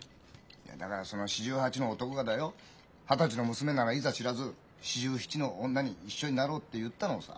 いやだからその４８の男がだよ二十歳の娘ならいざ知らず４７の女に「一緒になろう」って言ったのをさ。